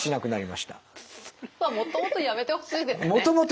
まあもともとやめてほしいですね。